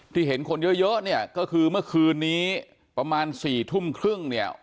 เห็นคนเยอะเยอะเนี่ยก็คือเมื่อคืนนี้ประมาณ๔ทุ่มครึ่งเนี่ย